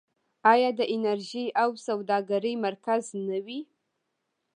آیا د انرژۍ او سوداګرۍ مرکز نه وي؟